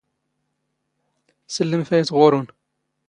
ⵙⵍⵍⵎ ⵅⴼ ⴰⵢⵜ ⵖⵓⵔⵓⵏ.